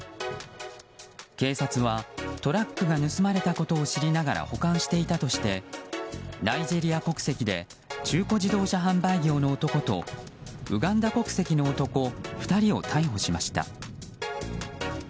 警察は、トラックが盗まれたことを知りながら保管していたとしてナイジェリア国籍で中古自動車販売業の男とウガンダ国籍の男２人を逮捕しました。